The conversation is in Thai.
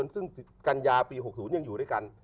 ซึ่งกัญญาปี๖๐ยังอยู่ด้วยกัน